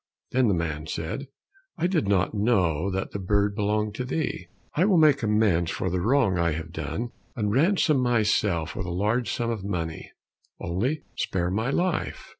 Then the man said, "I did not know that the bird belonged to thee. I will make amends for the wrong I have done and ransom myself with a large sum of money, only spare my life."